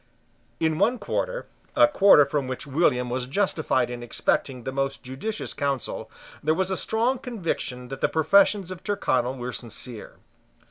In one quarter, a quarter from which William was justified in expecting the most judicious counsel, there was a strong conviction that the professions of Tyrconnel were sincere.